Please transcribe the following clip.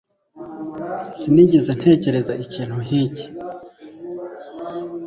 sinigeze ntekereza ikintu nk'iki